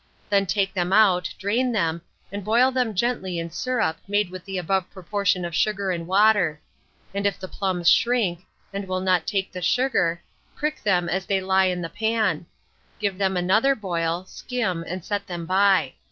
Then take them out, drain them, and boil them gently in syrup made with the above proportion of sugar and water; and if the plums shrink, and will not take the sugar, prick them as they lie in the pan; give them another boil, skim, and set them by.